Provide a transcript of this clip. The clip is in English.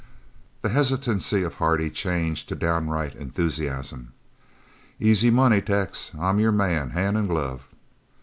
The hesitancy of Hardy changed to downright enthusiasm. "Easy money, Tex. I'm your man, hand and glove."